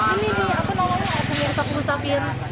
ini nih apa malamnya aku bisa kerusakin